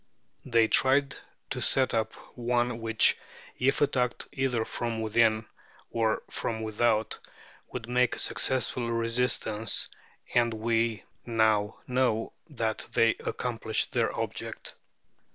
They tried to set up one which, if attacked either from within or from without, would make a successful resistance, and we now know that they accomplished their object.